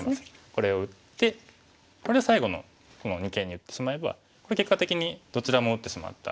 これを打ってこれで最後の二間に打ってしまえば結果的にどちらも打ってしまった局面になるので。